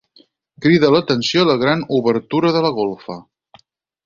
Crida l'atenció la gran obertura de la golfa.